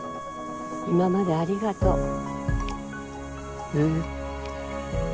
今までありがとう。え？